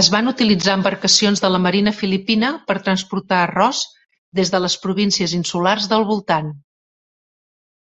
Es van utilitzar embarcacions de la marina filipina per transportar arròs des de les províncies insulars del voltant.